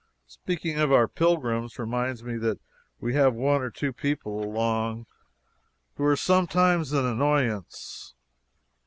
Speaking of our pilgrims reminds me that we have one or two people among us who are sometimes an annoyance.